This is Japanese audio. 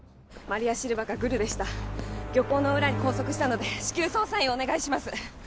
マリア・シルバがグルでした漁港の裏に拘束したので至急捜査員をお願いします